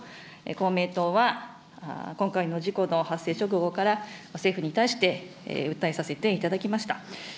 公明党は、今回の事故の発生直後から政府に対して、訴えさせていただきました。